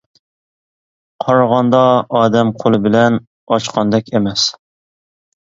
قارىغاندا ئادەم قولى بىلەن ئاچقاندەك ئەمەس.